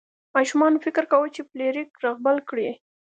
ماشومان فکر کاوه چې فلیریک رغبل کړي.